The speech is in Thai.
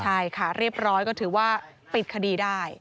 ใช่ค่ะเรียบร้อยก็ถือว่าปิดคดีได้